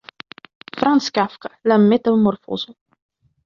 Franz Kafka: La metamorfozo.